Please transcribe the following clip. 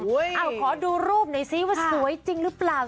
ขอดูรูปหน่อยซิว่าสวยจริงหรือเปล่า